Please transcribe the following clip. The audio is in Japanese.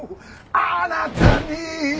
「あなたに」